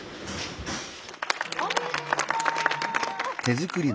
おめでとう！